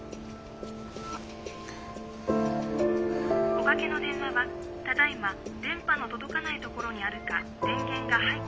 「おかけの電話はただいま電波の届かないところにあるか電源が」。